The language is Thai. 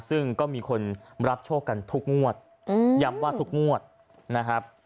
ซึ่งก็มีคนรับโชคกันทุกงวดย้ำว่าทุกงวดนะครับ